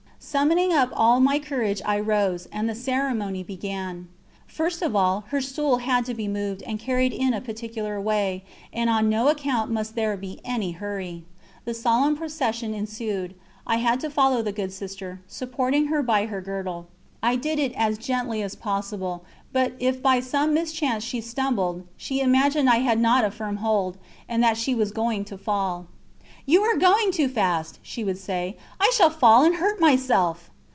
Summoning up all my courage I rose, and the ceremony began. First of all, her stool had to be moved and carried in a particular way, and on no account must there be any hurry. The solemn procession ensued. I had to follow the good Sister, supporting her by her girdle; I did it as gently as possible, but if by some mischance she stumbled, she imagined I had not a firm hold, and that she was going to fall. "You are going too fast," she would say, "I shall fall and hurt myself!"